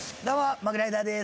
モグライダーです。